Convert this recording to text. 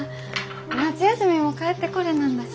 夏休みも帰ってこれなんだし。